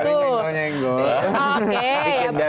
tapi nenggolnya nenggol